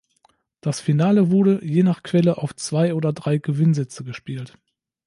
Das Finale wurde, je nach Quelle, auf zwei oder drei Gewinnsätze gespielt.